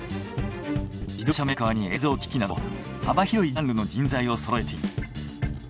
自動車メーカーに映像機器など幅広いジャンルの人材をそろえています。